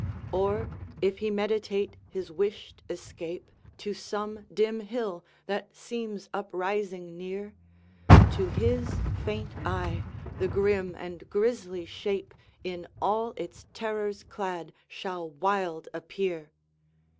Or, if he meditate his wished escape To some dim hill that seems uprising near, To his faint eye the grim and grisly shape, In all its terrors clad, shall wild appear.